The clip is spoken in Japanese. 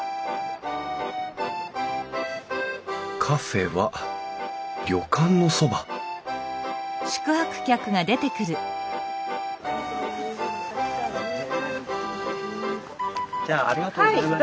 カフェは旅館のそばじゃあありがとうございました。